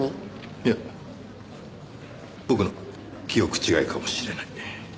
いや僕の記憶違いかもしれない。